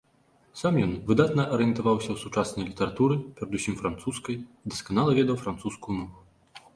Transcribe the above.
Сам ён выдатна арыентаваўся ў сучаснай літаратуры, перадусім французскай, і дасканала ведаў французскую мову.